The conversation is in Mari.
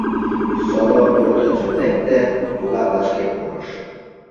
Содор пӧртӧнчык лекте, тугак вашке пурыш.